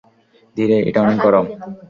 ধীরে, এটা অনেক গরম।